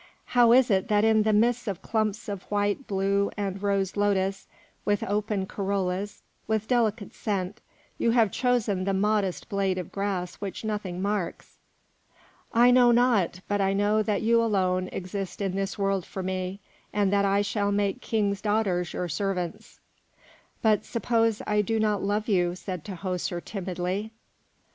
How is it that in the midst of clumps of white, blue, and rose lotus, with open corollas, with delicate scent, you have chosen the modest blade of grass which nothing marks?" "I know not, but I know that you alone exist in this world for me, and that I shall make kings' daughters your servants." "But suppose I do not love you?" said Tahoser, timidly.